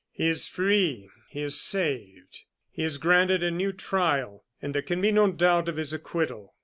He is free, he is saved, he is granted a new trial, and there can be no doubt of his acquittal.